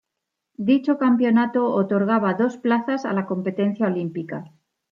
Dicho campeonato otorgaba dos plazas a la competencia olímpica.